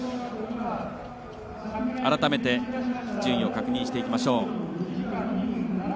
改めて順位を確認していきましょう。